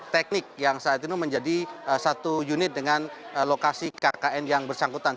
teknik yang saat ini menjadi satu unit dengan lokasi kkn yang bersangkutan